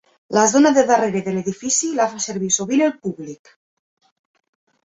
La zona de darrere de l'edifici la fa servir sovint el públic.